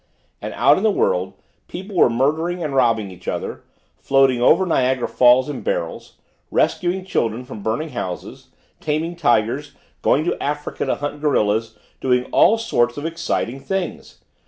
And out in the world people were murdering and robbing each other, floating over Niagara Falls in barrels, rescuing children from burning houses, taming tigers, going to Africa to hunt gorillas, doing all sorts of exciting things!